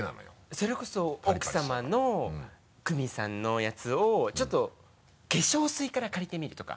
それこそ奥さまのクミさんのやつをちょっと化粧水から借りてみるとか。